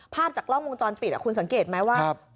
ภาพจากกล้องวงจรปิดคุณสังเกตไหมว่า